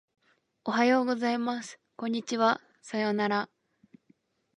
おはようございます。こんにちは。さようなら。